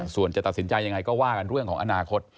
ส่วนจะตัดสินใจยังไงก็ว่ากันเรื่องของอนาคต